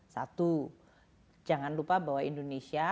satu jangan lupa bahwa indonesia